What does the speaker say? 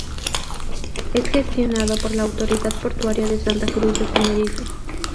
Es gestionado por la Autoridad Portuaria de Santa Cruz de Tenerife.